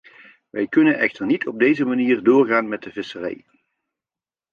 Wij kunnen echter niet op deze manier doorgaan met de visserij.